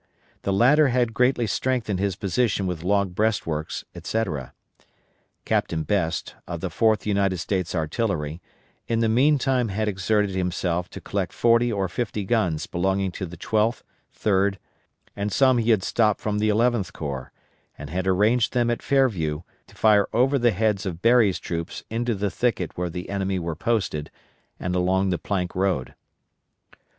The latter had greatly strengthened his position with log breastworks, etc. Captain Best, of the 4th United States Artillery, in the meantime had exerted himself to collect forty or fifty guns belonging to the Twelfth, Third, and some he had stopped from the Eleventh Corps, and had arranged them at Fairview, to fire over the heads of Berry's troops into the thicket where the enemy were posted and along the Plank Road.